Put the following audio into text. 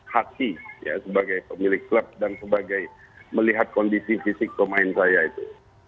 hati sebagai pemilik klub dan sebagai melihat kondisi fisik pemain saya itu